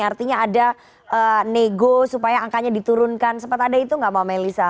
artinya ada nego supaya angkanya diturunkan sempat ada itu nggak mbak melisa